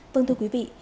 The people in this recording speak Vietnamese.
vâng thưa quý vị